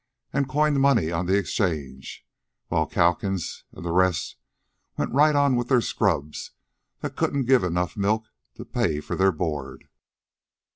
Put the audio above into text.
and coined money on the exchange, while Calkins and the rest went right on with their scrubs that couldn't give enough milk to pay for their board."